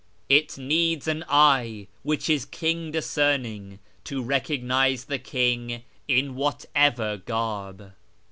' It needs an eye which is king discerning To recognise the King in whatever garb.'